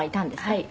はい。